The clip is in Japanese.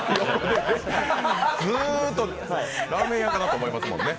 ずっとラーメン屋かなって思いますもんね。